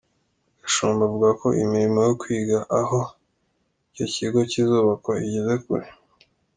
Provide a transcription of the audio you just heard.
Gashumba avuga ko imirimo yo kwiga aho icyo kigo kizubakwa igeze kure.